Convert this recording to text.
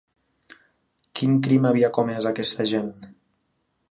Quin crim havia comès aquesta gent?